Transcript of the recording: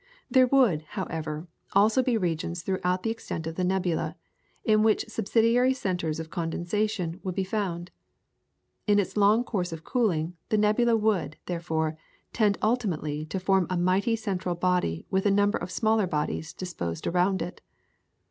There would, however, also be regions throughout the extent of the nebula, in which subsidiary centres of condensation would be found. In its long course of cooling, the nebula would, therefore, tend ultimately to form a mighty central body with a number of smaller bodies disposed around it.